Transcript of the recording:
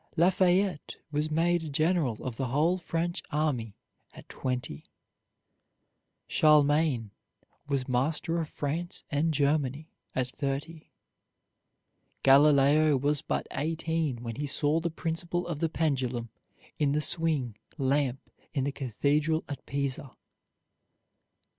Lafayette was made general of the whole French Army at twenty. Charlemagne was master of France and Germany at thirty. Galileo was but eighteen when he saw the principle of the pendulum in the swing lamp in the cathedral at Pisa.